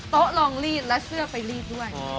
โต๊ะลองลีดแล้วเสื้อไปรีดด้วย